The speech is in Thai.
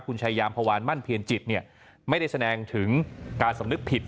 คุณชายามพวานมั่นเพียรจิตเนี่ยไม่ได้แสดงถึงการสำนึกผิด